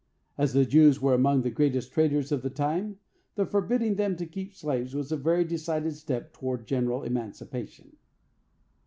As the Jews were among the greatest traders of the time, the forbidding them to keep slaves was a very decided step toward general emancipation.